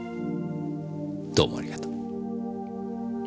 どうもありがとう。